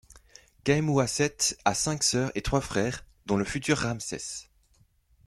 Khâemouaset a cinq sœurs et trois frères, dont le futur Ramsès.